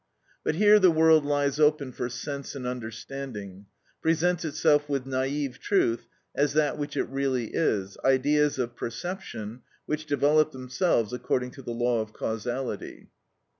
But here the world lies open for sense and understanding; presents itself with naive truth as that which it really is—ideas of perception which develop themselves according to the law of causality.